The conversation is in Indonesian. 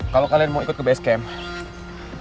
kalau kalian mau ikut ke base camp